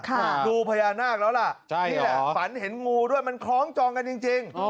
ดูพญานาคแล้วล่ะใช่นี่แหละฝันเห็นงูด้วยมันคล้องจองกันจริงจริง